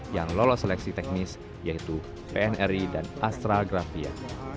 yang lolos seleksi teknis yaitu pnri dan astral grafian